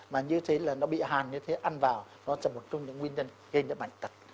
mà như thế là nó bị hàn như thế ăn vào nó là một trong những nguyên nhân gây ra bệnh tật